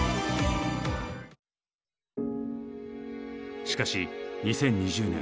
しかし２０２０年